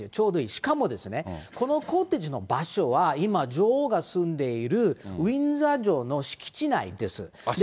しかもこのコテージの場所は今、女王が住んでいるウィンザー城の敷地内です。